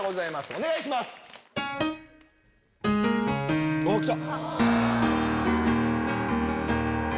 お願いします！来た！